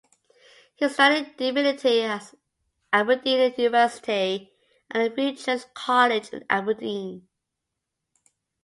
He studied Divinity at Aberdeen University and the Free Church College in Aberdeen.